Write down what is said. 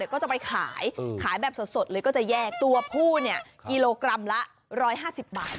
ก็จะไปขายขายแบบสดเลยก็จะแยกตัวผู้เนี่ยกิโลกรัมละ๑๕๐บาท